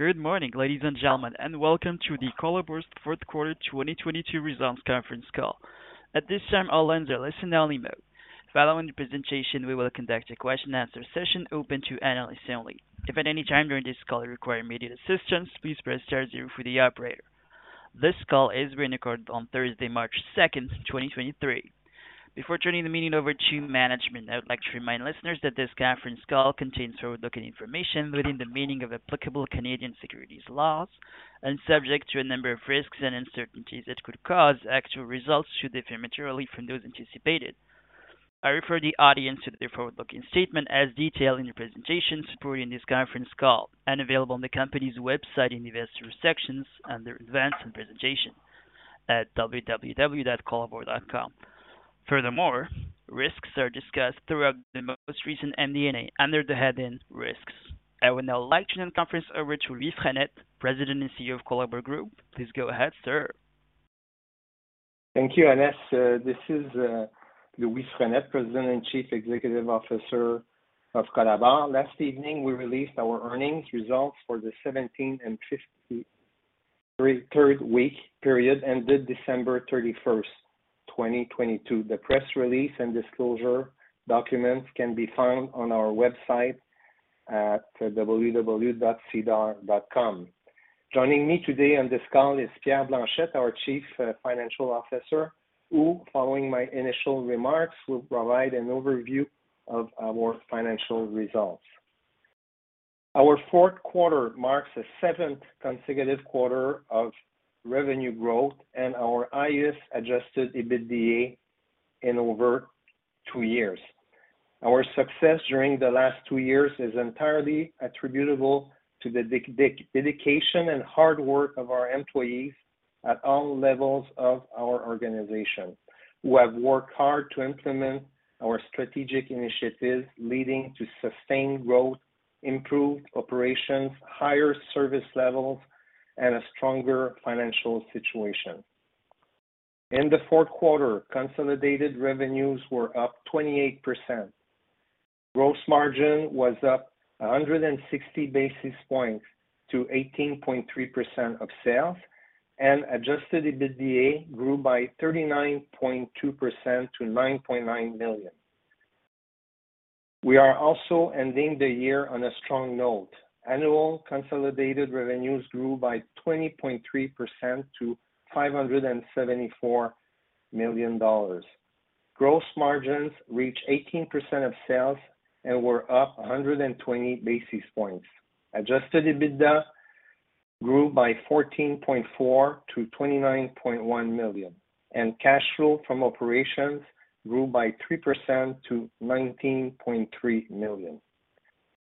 Good morning, ladies and gentlemen, and welcome to the Colabor's fourth quarter 2022 results conference call. At this time, all lines are listen-only mode. Following the presentation, we will conduct a question and answer session open to analysts only. If at any time during this call you require immediate assistance, please press star zero for the operator. This call is being recorded on Thursday, March 2, 2023. Before turning the meeting over to management, I would like to remind listeners that this conference call contains forward-looking information within the meaning of applicable Canadian securities laws and subject to a number of risks and uncertainties that could cause actual results to differ materially from those anticipated. I refer the audience to the forward-looking statement as detailed in the presentation supporting this conference call and available on the company's website in the Investors section under Events and Presentation at www.colabor.com. Furthermore, risks are discussed throughout the most recent MD&A under the heading Risks. I would now like to turn the conference over to Louis Frenette, President and CEO of Colabor Group. Please go ahead, sir. Thank you, Aness. This is Louis Frenette, President and Chief Executive Officer of Colabor. Last evening, we released our earnings results for the 17 and 53rd week period ended December 31, 2022. The press release and disclosure documents can be found on our website at www.sedar.com. Joining me today on this call is Pierre Blanchette, our Chief Financial Officer, who following my initial remarks, will provide an overview of our financial results. Our fourth quarter marks the 7th consecutive quarter of revenue growth and our highest Adjusted EBITDA in over two years. Our success during the last two years is entirely attributable to the dedication and hard work of our employees at all levels of our organization, who have worked hard to implement our strategic initiatives leading to sustained growth, improved operations, higher service levels, and a stronger financial situation. In the fourth quarter, consolidated revenues were up 28%. Gross margin was up 160 basis points to 18.3% of sales, and Adjusted EBITDA grew by 39.2% to 9.9 million. We are also ending the year on a strong note. Annual consolidated revenues grew by 20.3% to 574 million dollars. Gross margins reached 18% of sales and were up 120 basis points. Adjusted EBITDA grew by 14.4% to 29.1 million, and cash flow from operations grew by 3% to 19.3 million.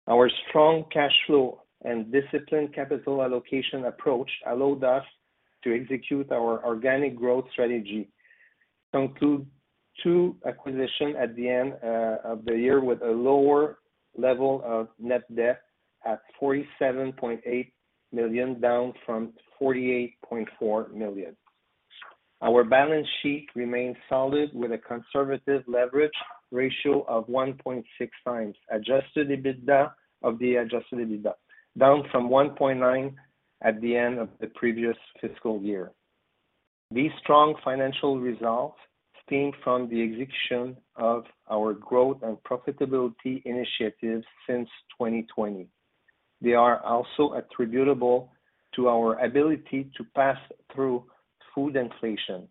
Our strong cash flow and disciplined capital allocation approach allowed us to execute our organic growth strategy, conclude 2 acquisition at the end of the year with a lower level of net debt at 47.8 million, down from 48.4 million. Our balance sheet remains solid with a conservative leverage ratio of 1.6x Adjusted EBITDA, down from 1.9x at the end of the previous fiscal year. These strong financial results stem from the execution of our growth and profitability initiatives since 2020. They are also attributable to our ability to pass through food inflation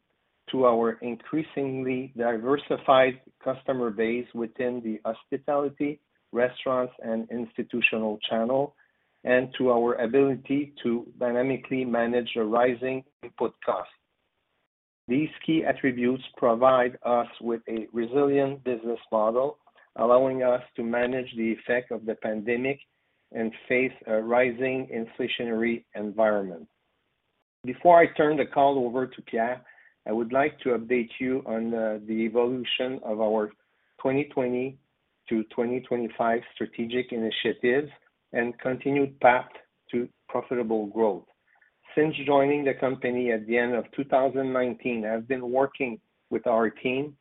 to our increasingly diversified customer base within the hospitality, restaurants, and institutional channel, and to our ability to dynamically manage the rising input costs. These key attributes provide us with a resilient business model, allowing us to manage the effect of the pandemic and face a rising inflationary environment. Before I turn the call over to Pierre, I would like to update you on the evolution of our 2020 to 2025 strategic initiatives and continued path to profitable growth. Since joining the company at the end of 2019, I've been working with our team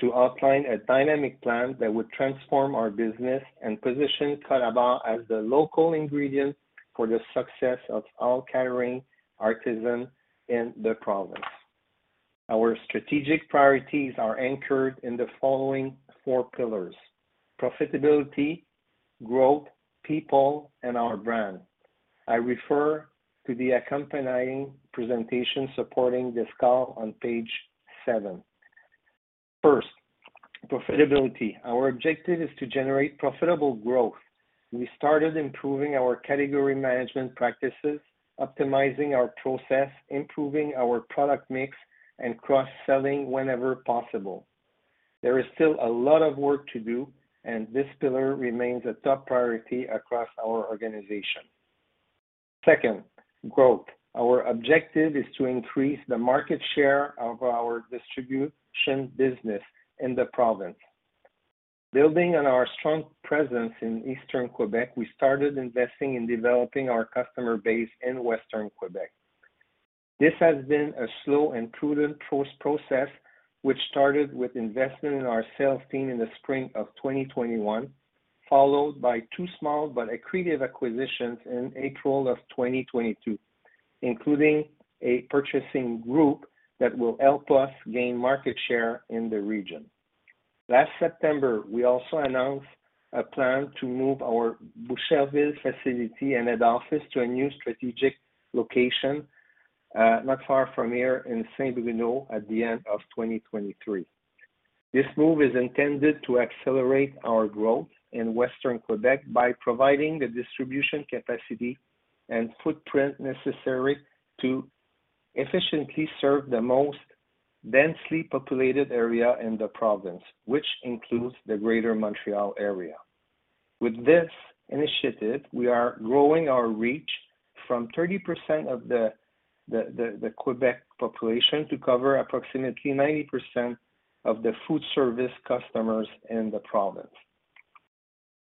to outline a dynamic plan that would transform our business and position Colabor as the local ingredient for the success of all catering artisan in the province. Our strategic priorities are anchored in the following four pillars: profitability, growth, people, and our brand. I refer to the accompanying presentation supporting this call on page seven. First, profitability. Our objective is to generate profitable growth. We started improving our category management practices, optimizing our process, improving our product mix, and cross-selling whenever possible. There is still a lot of work to do, and this pillar remains a top priority across our organization. Second, growth. Our objective is to increase the market share of our distribution business in the province. Building on our strong presence in Eastern Quebec, we started investing in developing our customer base in Western Quebec. This has been a slow and prudent process which started with investment in our sales team in the spring of 2021, followed by two small but accretive acquisitions in April of 2022, including a purchasing group that will help us gain market share in the region. Last September, we also announced a plan to move our Boucherville facility and head office to a new strategic location, not far from here in Saint-Bruno at the end of 2023. This move is intended to accelerate our growth in Western Quebec by providing the distribution capacity and footprint necessary to efficiently serve the most densely populated area in the province, which includes the greater Montreal area. With this initiative, we are growing our reach from 30% of the Quebec population to cover approximately 90% of the food service customers in the province.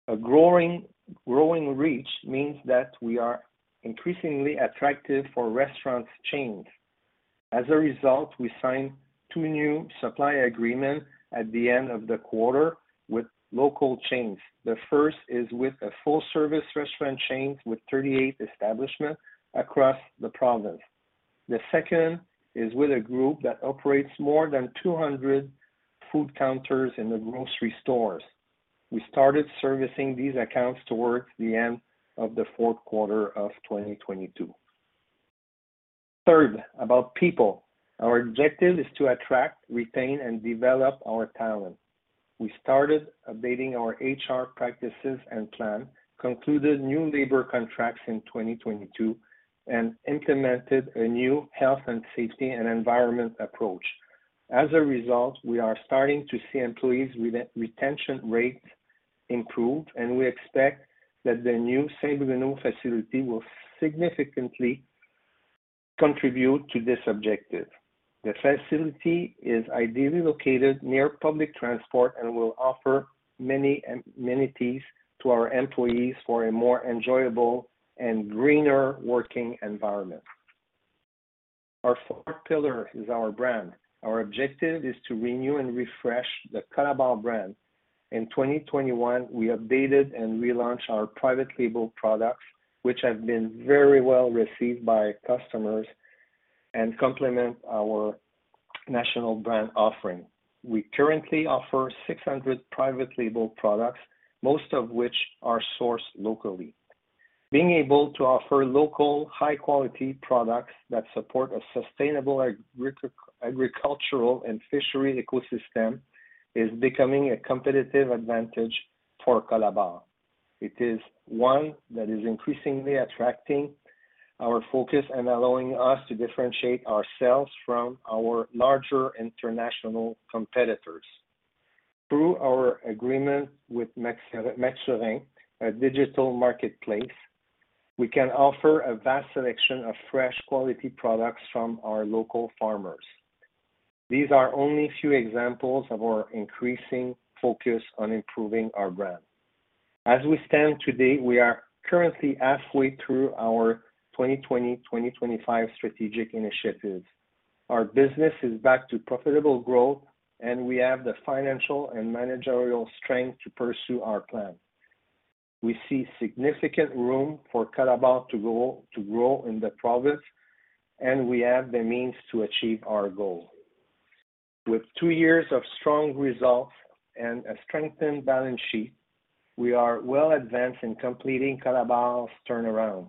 A growing reach means that we are increasingly attractive for restaurants chains. We signed two new supply agreement at the end of the quarter with local chains. The first is with a full service restaurant chains with 38 establishment across the province. The second is with a group that operates more than 200 food counters in the grocery stores. We started servicing these accounts towards the end of the fourth quarter of 2022. Third, about people. Our objective is to attract, retain, and develop our talent. We started updating our HR practices and plan, concluded new labor contracts in 2022, and implemented a new health and safety and environment approach. As a result, we are starting to see employees retention rates improve, and we expect that the new Saint-Bruno facility will significantly contribute to this objective. The facility is ideally located near public transport and will offer many amenities to our employees for a more enjoyable and greener working environment. Our fourth pillar is our brand. Our objective is to renew and refresh the Colabor brand. In 2021, we updated and relaunched our private label products, which have been very well received by customers and complement our national brand offering. We currently offer 600 private label products, most of which are sourced locally. Being able to offer local, high quality products that support a sustainable agricultural and fishery ecosystem is becoming a competitive advantage for Colabor. It is one that is increasingly attracting our focus and allowing us to differentiate ourselves from our larger international competitors. Through our agreement with Maturin, a digital marketplace, we can offer a vast selection of fresh, quality products from our local farmers. These are only a few examples of our increasing focus on improving our brand. As we stand today, we are currently halfway through our 2020-2025 strategic initiatives. Our business is back to profitable growth, and we have the financial and managerial strength to pursue our plan. We see significant room for Colabor to grow in the province, and we have the means to achieve our goal. With two years of strong results and a strengthened balance sheet, we are well advanced in completing Colabor's turnaround.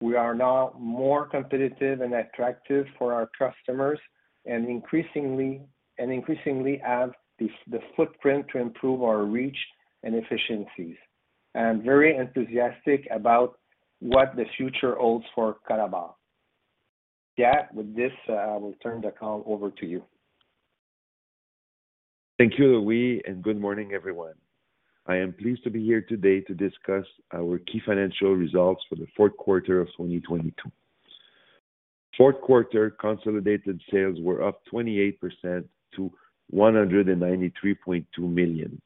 We are now more competitive and attractive for our customers and increasingly have the footprint to improve our reach and efficiencies. I'm very enthusiastic about what the future holds for Colabor. Jacques, with this, I will turn the call over to you. Thank you, Louis, and good morning, everyone. I am pleased to be here today to discuss our key financial results for the fourth quarter of 2022. Fourth quarter consolidated sales were up 28% to 193.2 million.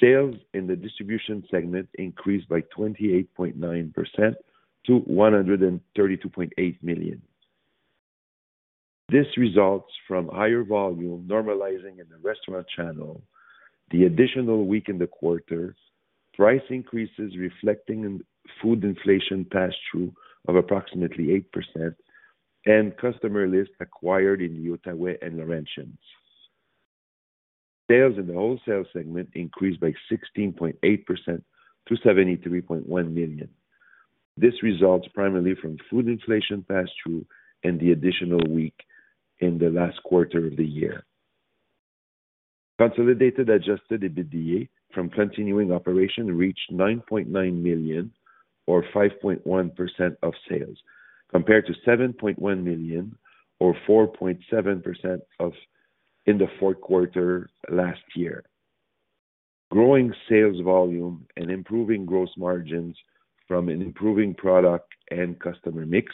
Sales in the distribution segment increased by 28.9% to 132.8 million. This results from higher volume normalizing in the restaurant channel, the additional week in the quarter, price increases reflecting in food inflation pass-through of approximately 8%, and customer list acquired in Outaouais and Laurentians. Sales in the wholesale segment increased by 16.8% to 73.1 million. This results primarily from food inflation pass-through and the additional week in the last quarter of the year. Consolidated Adjusted EBITDA from continuing operation reached 9.9 million or 5.1% of sales, compared to 7.1 million or 4.7% of in the fourth quarter last year. Growing sales volume and improving gross margins from an improving product and customer mix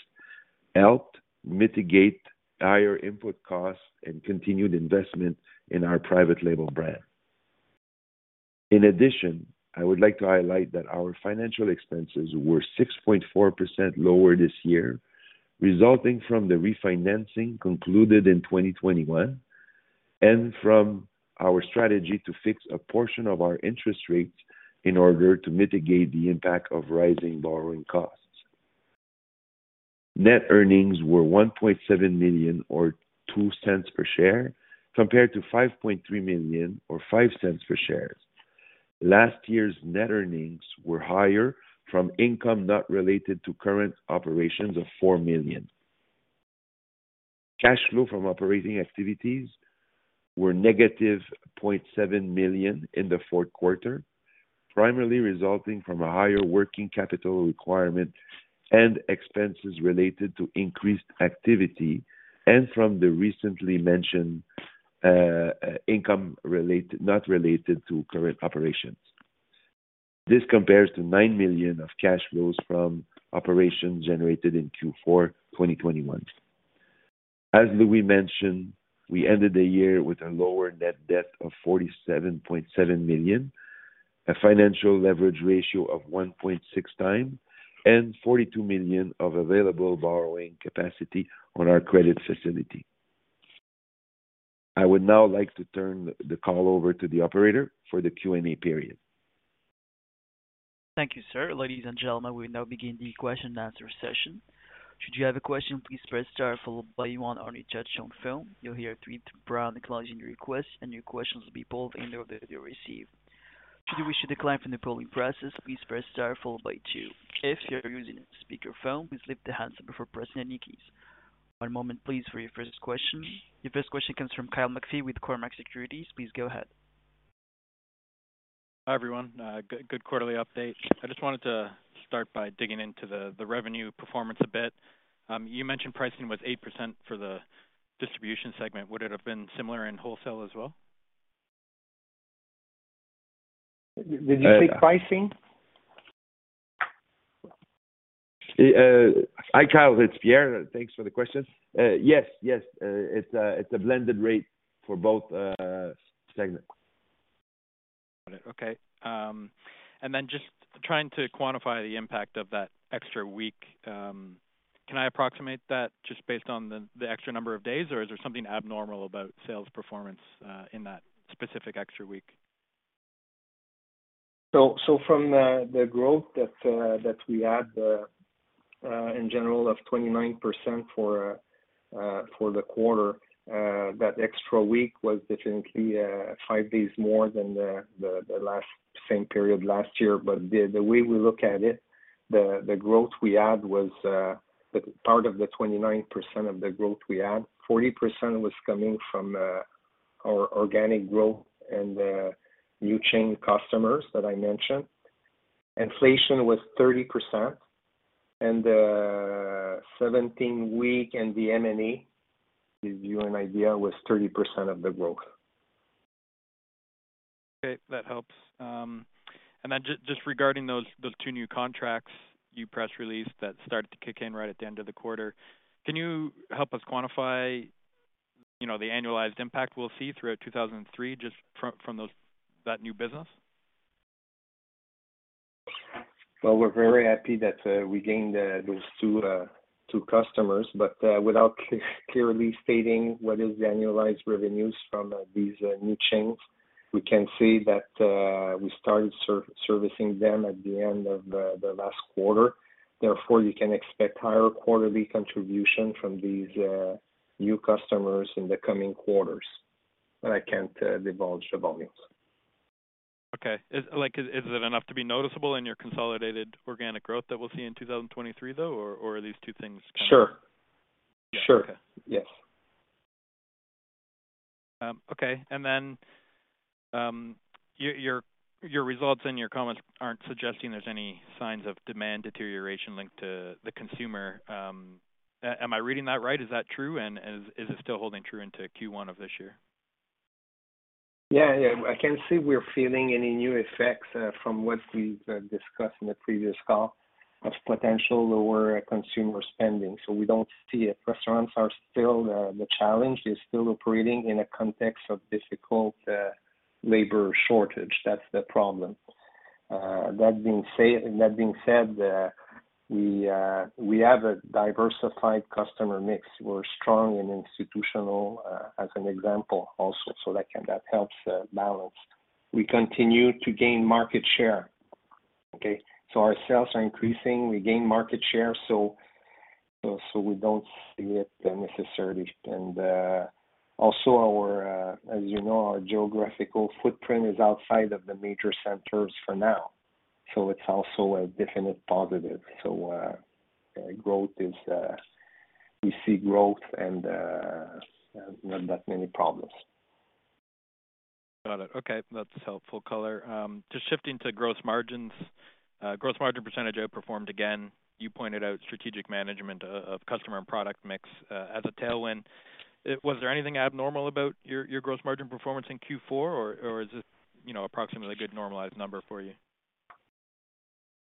helped mitigate higher input costs and continued investment in our private label brand. I would like to highlight that our financial expenses were 6.4% lower this year, resulting from the refinancing concluded in 2021 and from our strategy to fix a portion of our interest rates in order to mitigate the impact of rising borrowing costs. Net earnings were 1.7 million or 0.02 per share, compared to 5.3 million or 0.05 per share. Last year's net earnings were higher from income not related to current operations of 4 million. Cash flow from operating activities were -0.7 million in the fourth quarter, primarily resulting from a higher working capital requirement and expenses related to increased activity and from the recently mentioned income not related to current operations. This compares to 9 million of cash flows from operations generated in Q4 2021. As Louis mentioned, we ended the year with a lower net debt of 47.7 million, a financial leverage ratio of 1.6x, and 42 million of available borrowing capacity on our credit facility. I would now like to turn the call over to the operator for the Q&A period. Thank you, sir. Ladies and gentlemen, we now begin the question and answer session. Should you have a question, please press star followed by one on your touchtone phone. You'll hear a tweet to brown acknowledging your request, and your questions will be pulled in the order they are received. Should you wish to decline from the polling process, please press star followed by two. If you are using speaker phone, please lift the handset before pressing any keys. One moment please for your first question. Your first question comes from Kyle McPhee with Cormark Securities. Please go ahead. Hi, everyone. good quarterly update. I just wanted to start by digging into the revenue performance a bit. You mentioned pricing was 8% for the distribution segment. Would it have been similar in wholesale as well? Did you say pricing? Hi, Kyle. It's Pierre. Thanks for the question. Yes, yes. It's a blended rate for both segments. Got it. Okay. Just trying to quantify the impact of that extra week, can I approximate that just based on the extra number of days, or is there something abnormal about sales performance in that specific extra week? From the growth that we had in general of 29% for the quarter, that extra week was definitely 5 days more than the last same period last year. The way we look at it, the growth we had was the part of the 29% of the growth we had, 40% was coming from our organic growth and the new chain customers that I mentioned. Inflation was 30%, 17 week in the M&A, give you an idea, was 30% of the growth. Okay. That helps. Just regarding those two new contracts you press released that started to kick in right at the end of the quarter, can you help us quantify, you know, the annualized impact we'll see throughout 2003 just from that new business? We're very happy that we gained those two customers, but without clearly stating what is the annualized revenues from these new chains, we can say that we started servicing them at the end of the last quarter. Therefore, you can expect higher quarterly contribution from these new customers in the coming quarters. I can't divulge the volumes. Okay. Like, is it enough to be noticeable in your consolidated organic growth that we'll see in 2023, though, or are these two things? Sure. Sure. Yeah. Okay. Yes. Okay. Your results and your comments aren't suggesting there's any signs of demand deterioration linked to the consumer. Am I reading that right? Is that true? Is it still holding true into Q1 of this year? Yeah. Yeah. I can't say we're feeling any new effects from what we've discussed in the previous call of potential lower consumer spending. We don't see it. Restaurants are still the challenge. They're still operating in a context of difficult labor shortage. That's the problem. That being said, we have a diversified customer mix. We're strong in institutional, as an example also, that helps balance. We continue to gain market share, okay? Our sales are increasing, we gain market share, so we don't see it necessarily. Also our, as you know, our geographical footprint is outside of the major centers for now, so it's also a definite positive. Growth is, we see growth and not that many problems. Got it. Okay. That's helpful color. Just shifting to gross margins. Gross margin percentage outperformed again. You pointed out strategic management of customer and product mix as a tailwind. Was there anything abnormal about your gross margin performance in Q4, or is this, you know, approximately a good normalized number for you?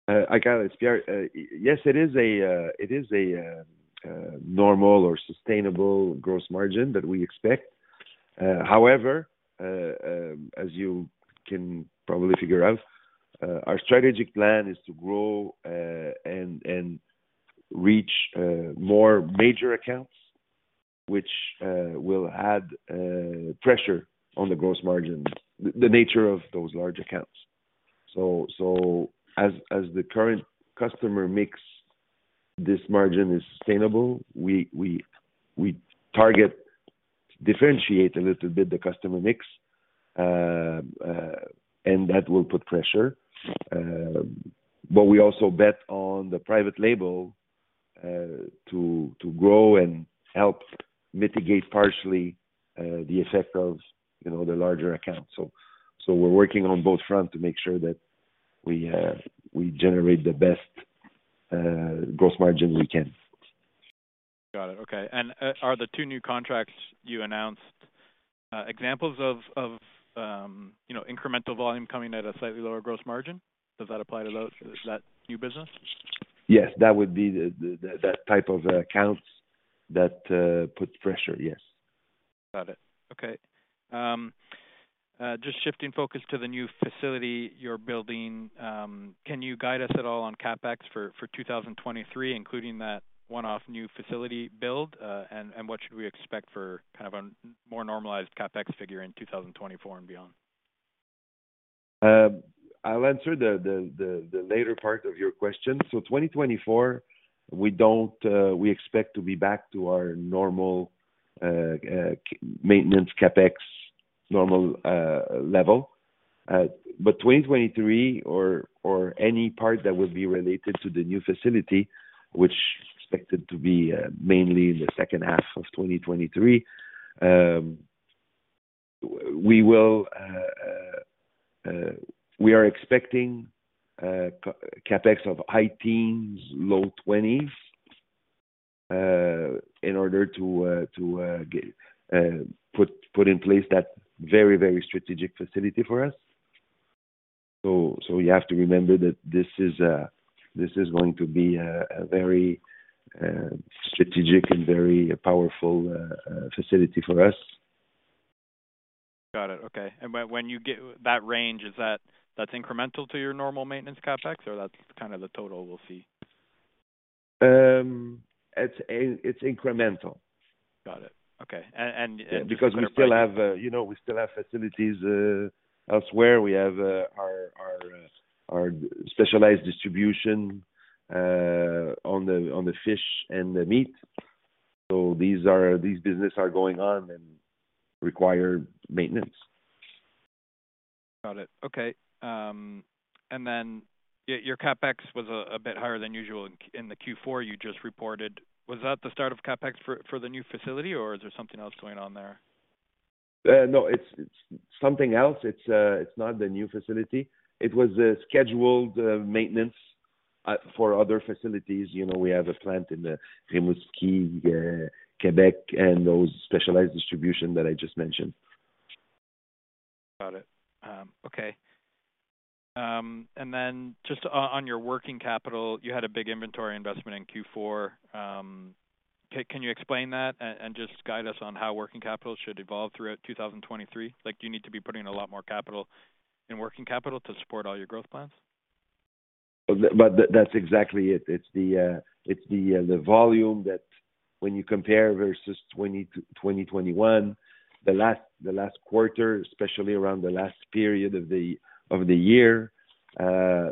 I got it, Pierre. Yes, it is a normal or sustainable gross margin that we expect. However, as you can probably figure out, our strategic plan is to grow and reach more major accounts which will add pressure on the gross margin, the nature of those large accounts. As the current customer makes this margin is sustainable, we target differentiate a little bit the customer mix, and that will put pressure. But we also bet on the private label to grow and help mitigate partially the effect of, you know, the larger accounts. We're working on both fronts to make sure that we generate the best gross margin we can. Got it. Okay. Are the two new contracts you announced, examples of, you know, incremental volume coming at a slightly lower gross margin? Does that apply to those? Is that new business? Yes. That would be the that type of accounts that put pressure. Yes. Got it. Okay. Just shifting focus to the new facility you're building. Can you guide us at all on CapEx for 2023, including that one-off new facility build? And what should we expect for kind of a more normalized CapEx figure in 2024 and beyond? I'll answer the later part of your question. 2024, we don't, we expect to be back to our normal maintenance CapEx normal level. 2023 or any part that would be related to the new facility, which is expected to be mainly in the second half of 2023, we are expecting CapEx of high teens, low 20s in order to put in place that very strategic facility for us. you have to remember that this is going to be a very strategic and very powerful facility for us. Got it. Okay. When you get that range, is that's incremental to your normal maintenance CapEx or that's kind of the total we'll see? It's incremental. Got it. Okay. just to clarify- We still have, you know, we still have facilities, elsewhere. We have, our, our specialized distribution, on the, on the fish and the meat. This business are going on and require maintenance. Got it. Okay. your CapEx was a bit higher than usual in the Q4 you just reported. Was that the start of CapEx for the new facility, or is there something else going on there? No, it's something else. It's not the new facility. It was a scheduled maintenance for other facilities. You know, we have a plant in the Rimouski, Quebec and those specialized distribution that I just mentioned. Got it. Okay. Just on your working capital, you had a big inventory investment in Q4. Can you explain that and just guide us on how working capital should evolve throughout 2023? Like, do you need to be putting a lot more capital in working capital to support all your growth plans? That's exactly it. It's the volume that when you compare versus 2020 to 2021, the last quarter, especially around the last period of the year,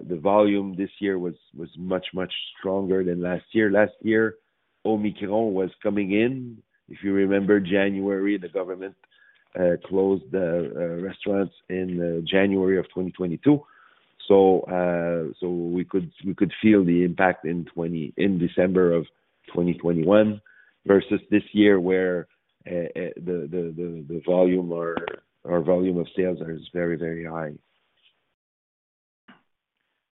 the volume this year was much stronger than last year. Last year, Omicron was coming in. If you remember January, the government closed the restaurants in January of 2022. We could feel the impact in December of 2021, versus this year where the volume or volume of sales is very, very high.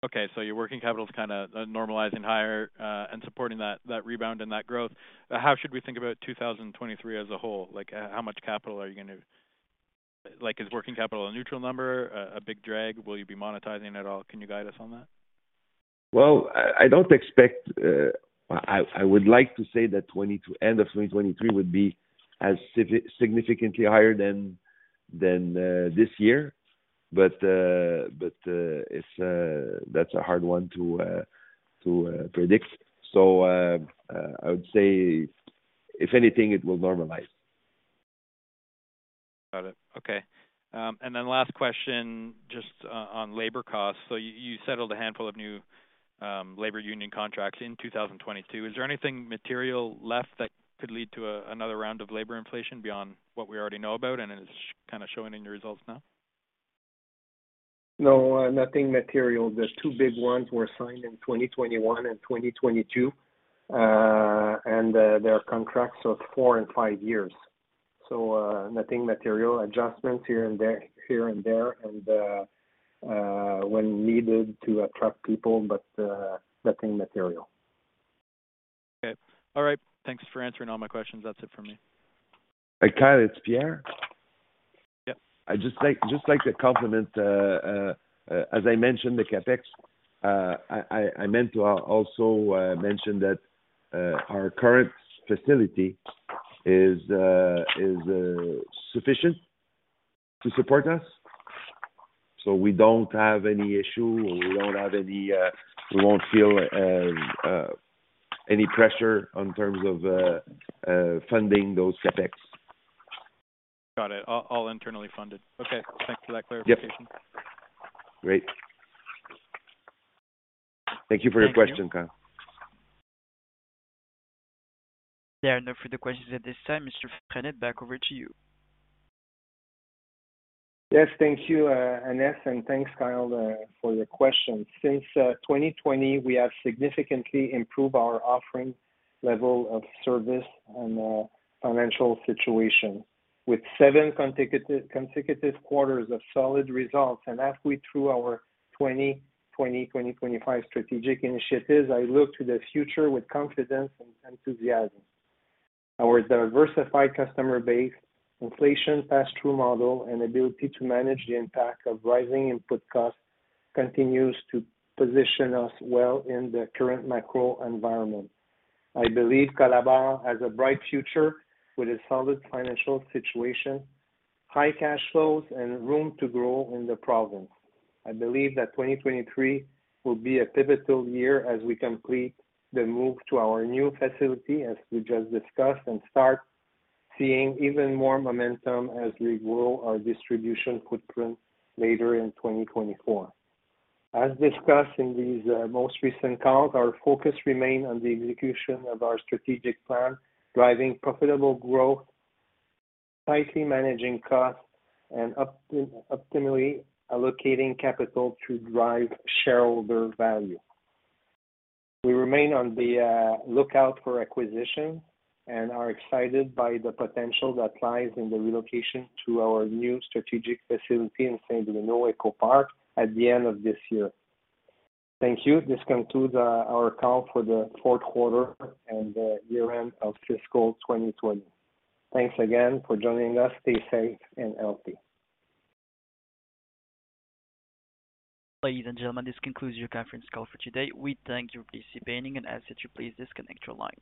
Okay. Your working capital is kinda normalizing higher and supporting that rebound and that growth. How should we think about 2023 as a whole? Like, how much capital are you gonna? Like, is working capital a neutral number, a big drag? Will you be monetizing at all? Can you guide us on that? I don't expect. I would like to say that end of 2023 would be as significantly higher than this year, but it's that's a hard one to predict. I would say if anything, it will normalize. Got it. Okay. Last question, just on labor costs. You settled a handful of new labor union contracts in 2022. Is there anything material left that could lead to another round of labor inflation beyond what we already know about and is kinda showing in your results now? No. Nothing material. The two big ones were signed in 2021 and 2022. There are contracts of 4 and 5 years, nothing material. Adjustments here and there, here and there, when needed to attract people, but nothing material. Okay. All right. Thanks for answering all my questions. That's it for me. Hey, Kyle, it's Pierre. Yeah. I'd just like to complement, as I mentioned the CapEx, I meant to also mention that our current facility is sufficient to support us. We don't have any issue, or we don't have any, we won't feel any pressure in terms of funding those CapEx. Got it. All internally funded. Okay. Thanks for that clarification. Yep. Great. Thank you for your question, Kyle. Thank you. There are no further questions at this time. Mr. Frenette, back over to you. Yes. Thank you, Aness, and thanks, Kyle, for your question. Since 2020, we have significantly improved our offering level of service and financial situation. With seven consecutive quarters of solid results, and as we through our 2020-2025 strategic initiatives, I look to the future with confidence and enthusiasm. Our diversified customer base, inflation pass-through model, and ability to manage the impact of rising input costs continues to position us well in the current macro environment. I believe Colabor has a bright future with a solid financial situation, high cash flows, and room to grow in the province. I believe that 2023 will be a pivotal year as we complete the move to our new facility, as we just discussed, and start seeing even more momentum as we grow our distribution footprint later in 2024. As discussed in these most recent calls, our focus remain on the execution of our strategic plan, driving profitable growth, tightly managing costs, and optimally allocating capital to drive shareholder value. We remain on the lookout for acquisition and are excited by the potential that lies in the relocation to our new strategic facility in Saint-Bruno Eco Park at the end of this year. Thank you. This concludes our call for the fourth quarter and the year-end of fiscal 2020. Thanks again for joining us. Stay safe and healthy. Ladies and gentlemen, this concludes your conference call for today. We thank you for participating and ask that you please disconnect your line.